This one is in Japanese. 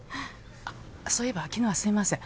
あっそういえば昨日はすいません。